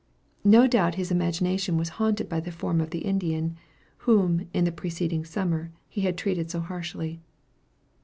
No doubt his imagination was haunted by the form of the Indian, whom, in the preceding summer he had treated so harshly.